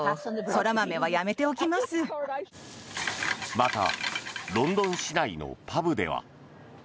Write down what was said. またロンドン市内のパブでは。